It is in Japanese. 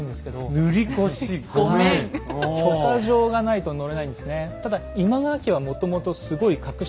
許可状がないと乗れないんですね。